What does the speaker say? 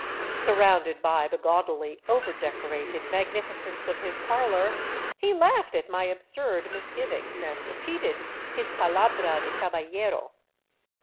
Surrounded by the gaudily overdecorated magnificence of his parlor, he laughed at my absurd misgivings and repeated his " palabra de caballero."